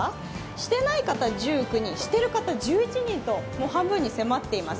してない方１９人、している方１１人と半分に迫っています。